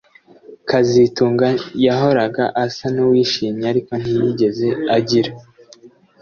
kazitunga yahoraga asa nuwishimye ariko ntiyigeze agira